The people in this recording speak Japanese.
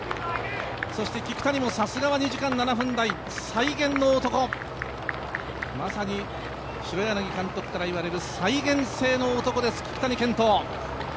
そして聞谷もさすがは２時間７分台、再現の男、白柳監督からいわれる再現性の男です、聞谷賢人。